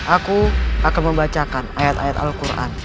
aku akan membacakan ayat ayat al quran